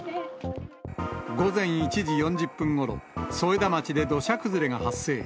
午前１時４０分ごろ、添田町で土砂崩れが発生。